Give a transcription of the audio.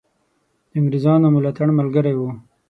د انګرېزانو ملاتړ ملګری وو.